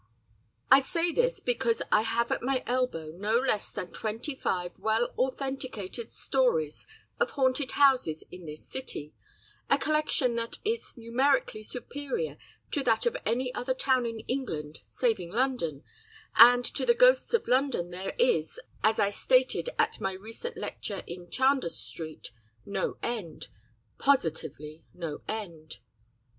I say this because I have at my elbow no less than twenty five well authenticated stories of haunted houses in this city: a collection that is numerically superior to that of any other town in England, saving London, and to the ghosts of London there is, as I stated at my recent lecture in Chandos Street, no end positively no end.